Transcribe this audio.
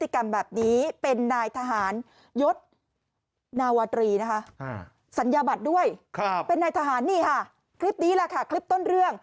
ครับเป็นในทหารนี่ค่ะคลิปนี้แหละค่ะคลิปต้นเรื่อง